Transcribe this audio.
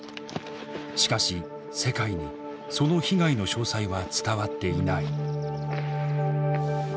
しかし世界にその被害の詳細は伝わっていない。